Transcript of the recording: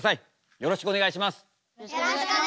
よろしくお願いします。